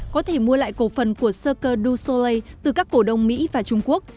có thể mua lại cổ phần của cirque du soleil từ các cổ đông mỹ và trung quốc